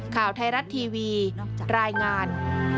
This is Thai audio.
ข่าวไทยรัฐทีวีรายงาน